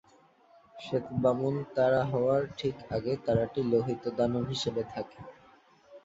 শ্বেত বামন তারা হওয়ার ঠিক আগে তারাটি লোহিত দানব হিসেবে থাকে।